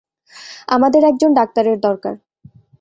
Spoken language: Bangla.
আমাদের একজন ডাক্তারের দরকার।